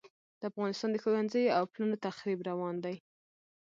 د افغانستان د ښوونځیو او پلونو تخریب روان دی.